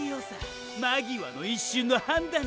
間際の一瞬の判断力！